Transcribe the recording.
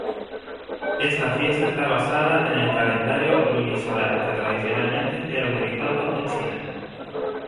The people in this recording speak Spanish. Esta fiesta está basada en el calendario lunisolar, que tradicionalmente era utilizado en China.